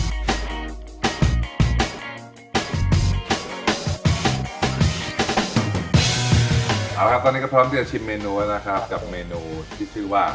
เอาละครับตอนนี้ก็พร้อมจะชิมเมนูแล้วนะครับกับเมนูที่ชื่อว่า